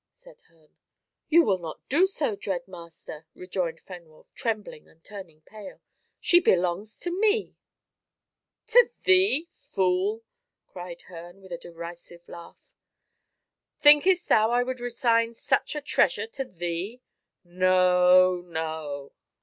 said Herne. "You will not do so, dread master?" rejoined Fenwolf, trembling and turning pale. "She belongs to me." "To thee, fool!" cried Herne, with a derisive laugh. "Thinkest thou I would resign such a treasure to thee? No, no.